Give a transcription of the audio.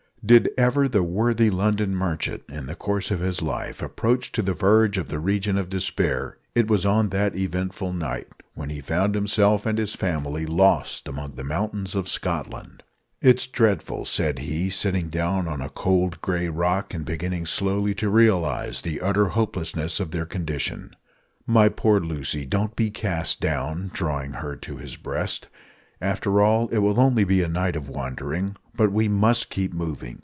Did ever the worthy London merchant, in the course of his life, approach to the verge of the region of despair, it was on that eventful night when he found himself and his family lost among the mountains of Scotland. "It's dreadful," said he, sitting down on a cold grey rock, and beginning slowly to realise the utter hopelessness of their condition. "My poor Lucy, don't be cast down," (drawing her to his breast), "after all, it will only be a night of wandering. But we must keep moving.